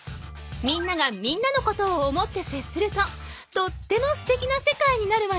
みんながみんなのことを思ってせっするととってもすてきな世界になるわね。